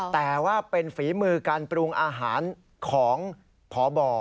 แต่ว่าเป็นฝีมือการปรุงอาหารของพบ